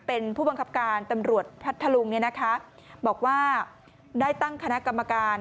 เป็นผู้บังคับการตำรวจพัทธลุงเนี่ยนะคะบอกว่าได้ตั้งคณะกรรมการ